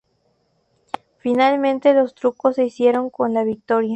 Finalmente, los turcos se hicieron con la victoria.